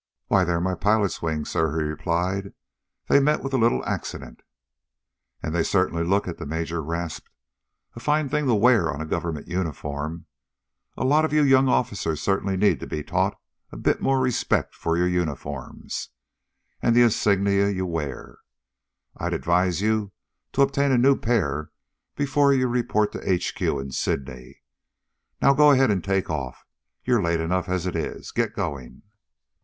"Why, they're my pilot's wings, sir," he replied. "They met with a little accident." "And they certainly look it!" the Major rasped. "A fine thing to wear on a Government uniform! A lot of you young officers certainly need to be taught a bit more respect for your uniforms, and the insignia you wear. I'd advise you to obtain a new pair before you report to H.Q. in Sydney. Now, go ahead and take off! You're late enough as it is! Get going!"